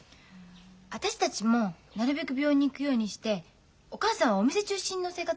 私たちもなるべく病院に行くようにしてお母さんはお店中心の生活にしたら？